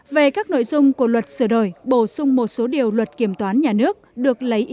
về các nội dung của luật sửa đổi bổ sung một số điều luật kiểm toán nhà nước